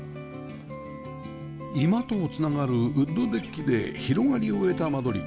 居間と繋がるウッドデッキで広がりを得た間取り